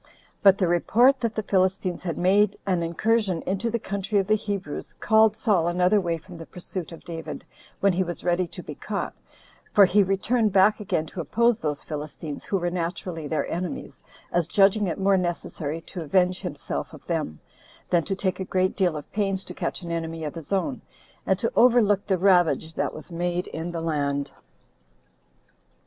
But the report that the Philistines had again made an incursion into the country of the Hebrews, called Saul another way from the pursuit of David, when he was ready to be caught; for he returned back again to oppose those Philistines, who were naturally their enemies, as judging it more necessary to avenge himself of them, than to take a great deal of pains to catch an enemy of his own, and to overlook the ravage that was made in the land.